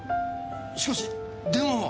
しかし電話は？